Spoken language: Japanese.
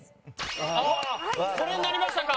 ああこれになりましたか。